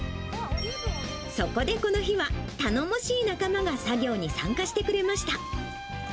そこでこの日は、頼もしい仲間が作業に参加してくれました。